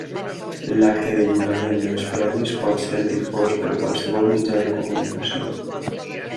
L'acte de lliurament dels Premis pot ser difós per qualsevol mitjà de comunicació.